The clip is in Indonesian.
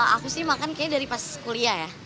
aku sih makan kayaknya dari pas kuliah ya